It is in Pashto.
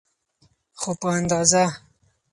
خو په اندازه.